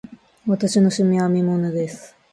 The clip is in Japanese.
私の趣味は編み物です。